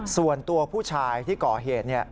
ส่วนตัวผู้ชายที่ก่อเหตุ